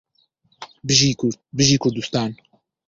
بژی کورد بژی کوردستان